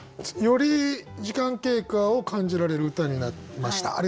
より時間経過を感じられる歌になりました。